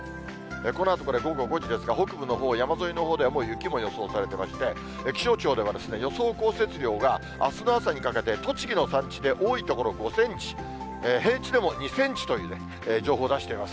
このあとこれ、午後５時ですが、北部のほう、山沿いのほうではもう雪も予想されてまして、気象庁では、予想降雪量があすの朝にかけて、栃木の山地で多い所５センチ、平地でも２センチという情報を出してます。